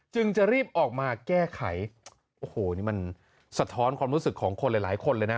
จึงจะรีบออกมาแก้ไขโอ้โหนี่มันสะท้อนความรู้สึกของคนหลายหลายคนเลยนะ